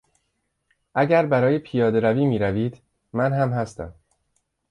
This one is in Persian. اگر برای پیادهروی میروید من هم هستم.